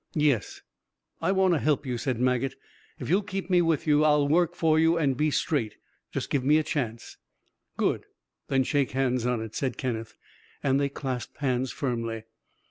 "Yes, I want to help you," said Maget. "If you'll keep me with you, I'll work for you and be straight. Give me a chance." "Good. Then shake hands on it," said Kenneth, and they clasped hands firmly.